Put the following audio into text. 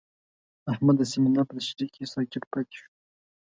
احمد د سمینار په تشریح کې ساکت پاتې شو.